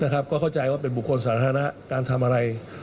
ก็เข้าใจว่าเป็นบุคคลสาธารณะการทำอะไร